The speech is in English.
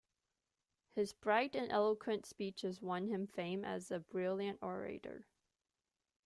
His bright and eloquent speeches won him fame as a brilliant orator.